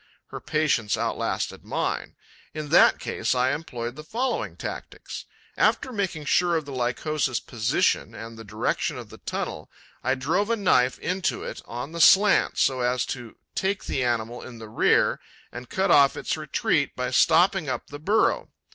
Her patience outlasted mine. In that case, I employed the following tactics: after making sure of the Lycosa's position and the direction of the tunnel, I drove a knife into it on the slant, so as to take the animal in the rear and cut off its retreat by stopping up the burrow.